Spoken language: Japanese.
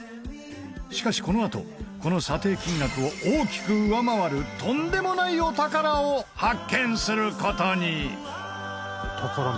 しかしこのあとこの査定金額を大きく上回るとんでもないお宝を発見する事に！